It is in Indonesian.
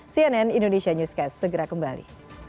cnn indonesia newscast segera kembali